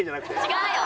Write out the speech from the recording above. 違うよ。